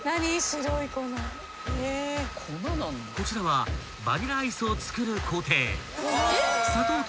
［こちらはバニラアイスを作る工程］